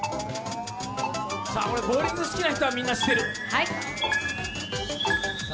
ボウリング好きな人はみんな知ってる。